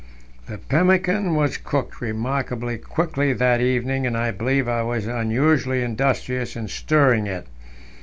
The pemmican was cooked remarkably quickly that evening, and I believe I was unusually industrious in stirring it.